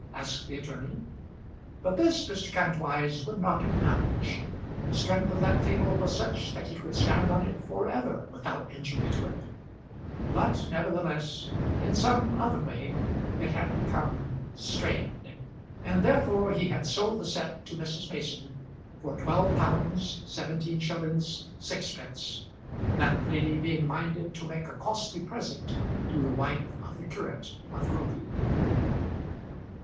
asked the attorney. But this Mr. Kantwise would not acknowledge. The strength of that table was such that he could stand on it for ever without injury to it; but nevertheless, in some other way it had become strained, and therefore he had sold the set to Mrs. Mason for £12 17_s._ 6_d._, that lady being minded to make a costly present to the wife of the curate of Groby.